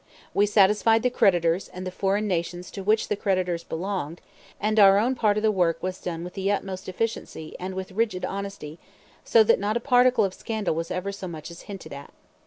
We satisfied the creditors and the foreign nations to which the creditors belonged; and our own part of the work was done with the utmost efficiency and with rigid honesty, so that not a particle of scandal was ever so much as hinted at.